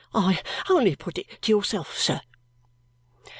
I only put it to yourself, sir."